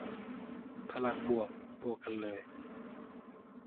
พลังบวก บวกกันเลย